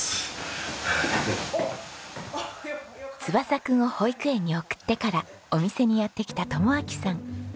翼くんを保育園に送ってからお店にやって来た友晃さん。